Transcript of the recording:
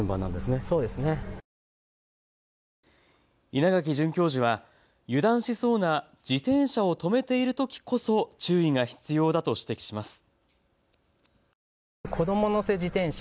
稲垣准教授は油断しそうな自転車を止めているときこそ注意が必要だと指摘します。